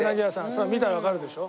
それは見たらわかるでしょ。